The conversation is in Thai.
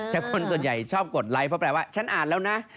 แต่คนส่วนใหญ่ชอบกดไลค์เพราะแปลว่าฉันอ่านแล้วนะ